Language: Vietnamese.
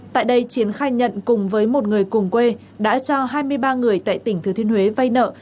tại đây chiến khai nhận cùng với một người cùng quê đã cho hai mươi ba người tại tỉnh thừa thiên huế vay nợ